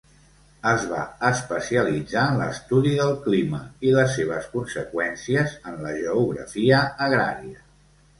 Es va especialitzar en l'estudi del clima i les seves conseqüències en la geografia agrària.